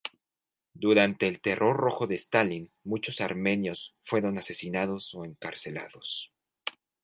Durante el Terror Rojo de Stalin, muchos armenios fueron asesinados o encarcelados.